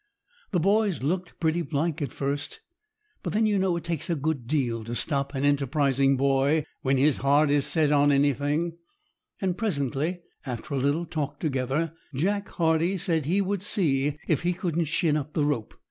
The boys looked pretty blank at first; but then you know it takes a good deal to stop an enterprising boy when his heart is set on anything; and presently, after a little talk together, Jack Hardie said he would see if he couldn't shin up the rope.